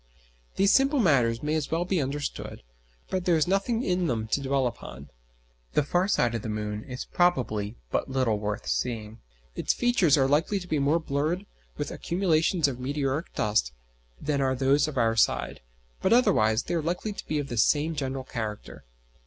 These simple matters may as well be understood, but there is nothing in them to dwell upon. The far side of the moon is probably but little worth seeing. Its features are likely to be more blurred with accumulations of meteoric dust than are those of our side, but otherwise they are likely to be of the same general character.